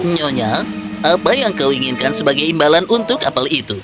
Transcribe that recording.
nyonya apa yang kau inginkan sebagai imbalan untuk apel itu